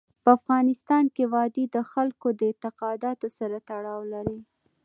په افغانستان کې وادي د خلکو د اعتقاداتو سره تړاو لري.